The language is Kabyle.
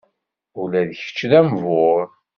Ula d kečč d ambur?